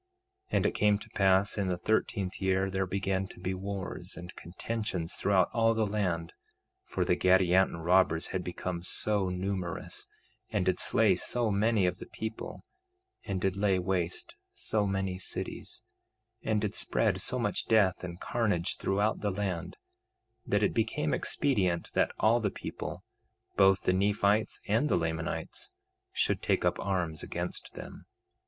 2:11 And it came to pass in the thirteenth year there began to be wars and contentions throughout all the land; for the Gadianton robbers had become so numerous, and did slay so many of the people, and did lay waste so many cities, and did spread so much death and carnage throughout the land, that it became expedient that all the people, both the Nephites and the Lamanites, should take up arms against them.